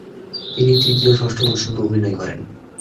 তিনি তৃতীয় ও ষষ্ঠ মৌসুমেও অভিনয় করেন।